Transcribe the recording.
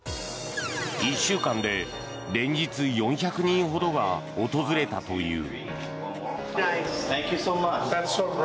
１週間で連日４００人ほどが訪れたという。